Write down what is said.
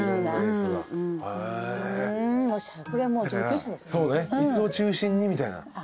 そうね椅子を中心にみたいな。